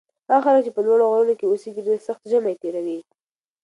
هغه خلک چې په لوړو غرونو کې اوسي ډېر سخت ژمی تېروي.